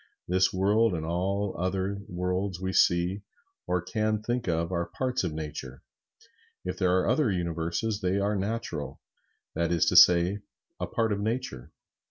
This world and all other worlds we see or can think of are parts of Nature. If there are other Universes, they are natural; that is to say, a part of Nature.